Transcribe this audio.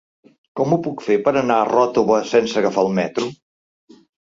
Com ho puc fer per anar a Ròtova sense agafar el metro?